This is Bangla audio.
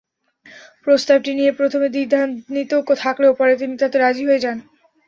প্রস্তাবটি পেয়ে প্রথমে দ্বিধান্বিত থাকলেও পরে তিনি তাতে রাজি হয়ে যান।